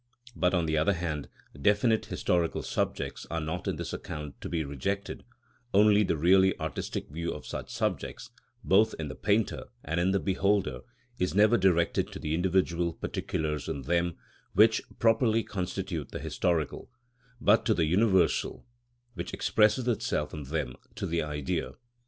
But, on the other hand, definite historical subjects are not on this account to be rejected, only the really artistic view of such subjects, both in the painter and in the beholder, is never directed to the individual particulars in them, which properly constitute the historical, but to the universal which expresses itself in them, to the Idea.